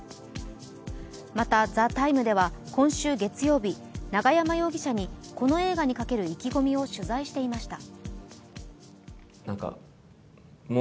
また、「ＴＨＥＴＩＭＥ，」では今週月曜日永山容疑者にこの映画にかける意気込みを取材していました。